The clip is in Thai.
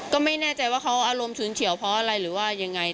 ก็ไม่แน่ใจว่าเขาอารมณ์ชื้นเฉียวเพราะอะไรหรือว่ายังไง